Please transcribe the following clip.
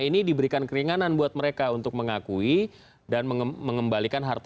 ini diberikan keringanan buat mereka untuk mengakui dan mengembalikan harta